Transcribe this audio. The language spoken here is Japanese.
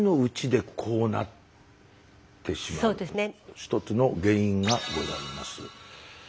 一つの原因がございます。